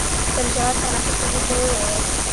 تر ژور تنفس وروسته يې وويل.